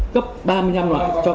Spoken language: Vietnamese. cấp ba mươi năm loại cho phân bón